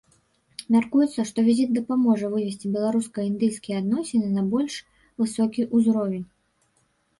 Мяркуецца, што візіт дапаможа вывесці беларуска-індыйскія адносіны на больш высокі ўзровень.